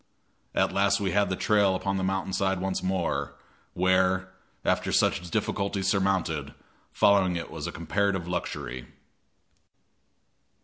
At last we had the trail upon the mountain side once more, where, after such difficulties surmounted, following it was a comparative luxury.